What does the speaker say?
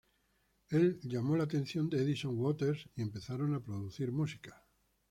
Él llamó la atención de Edison Waters, y empezaron a producir música.